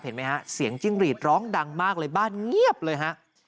เห็นไหมฮะเสียงจิ้งหรีดร้องดังมากเลยบ้านเงียบเลยฮะ